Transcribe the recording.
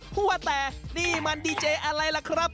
เพราะว่าแต่นี่มันดีเจอร์อะไรล่ะครับ